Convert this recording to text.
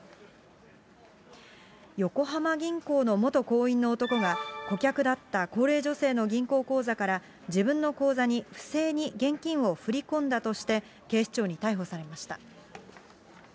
横浜銀行の元行員の男が、顧客だった高齢女性の銀行口座から、自分の口座に不正に現金を振り込んだとして、警視庁に逮捕されました。